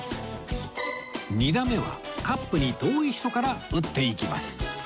２打目はカップに遠い人から打っていきます